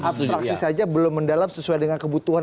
abstraksi saja belum mendalam sesuai dengan kebutuhan